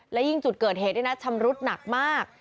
และยิ่งจุดเกิดเหตุนี่นะชำรุดหนักมาก